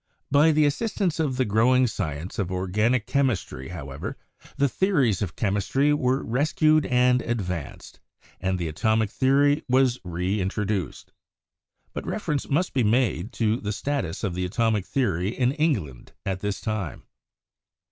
By the assistance of the growing science of organic chemistry, however, the theories of chemistry were res cued and advanced, and the atomic theory was reintro duced. But reference must be made to the status of the atomic theory in England at this time.